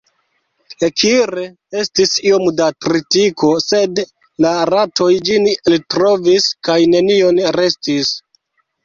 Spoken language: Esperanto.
Ekire, estis iom da tritiko, sed la ratoj ĝin eltrovis, kaj neniom restis.